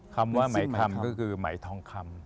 คำว่าไหมคำก็คือไหมทองคำ